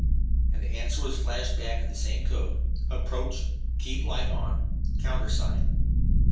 And the answer was flashed back in the same code: "Approach. Keep light on. Countersign."